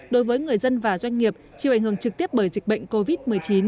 đối với người dân và doanh nghiệp chịu ảnh hưởng trực tiếp bởi dịch bệnh covid một mươi chín